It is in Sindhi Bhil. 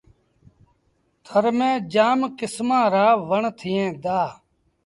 ٿر ميݩ جآم ڪسمآݩ رآ وڻ ٿئيٚݩ دآ۔